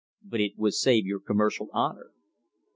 "But it would save your commercial honor."